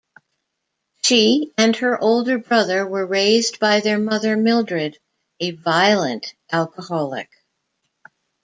She and her older brother were raised by their mother Mildred, a violent alcoholic.